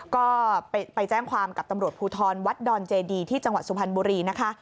ก็ไปแจ้งความกับตำรวจภูทรวัดดอนเจดีที่จังหวัดสุพรรณบุรีนะคะ